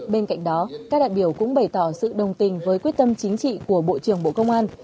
bên cạnh đó các đại biểu cũng bày tỏ sự đồng tình với quyết tâm chính trị của bộ trưởng bộ công an